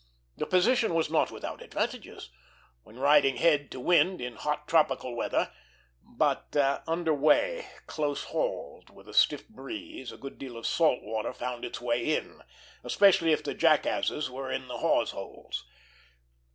The position was not without advantages, when riding head to wind, in hot tropical weather; but under way, close hauled, with a stiff breeze, a good deal of salt water found its way in, especially if the jackasses were in the hawse holes.